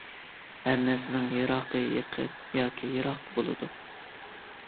ھەر نەرسىنىڭ يىراقى يېقىن ياكى يىراق بولىدۇ.